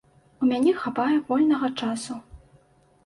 У мяне хапае вольнага часу.